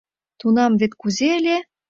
Тунам вет кузе ыле?